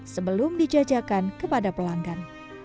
sebelum dijajakan kepada pelanggan